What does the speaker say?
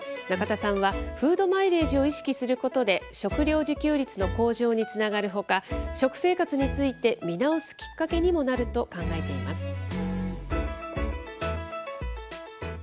中田さんは、フード・マイレージを意識することで、食料自給率の向上につながるほか、食生活について見直すきっかけにもなると考えています。